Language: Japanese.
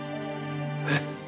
えっ？